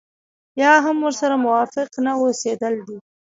يا هم ورسره موافق نه اوسېدل دي.